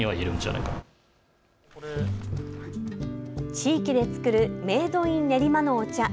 地域で作るメードイン練馬のお茶。